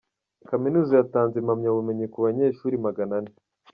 Kaminuza yatanze impamyabumenyi ku banyeshuri maganane